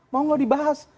mau gak dibahas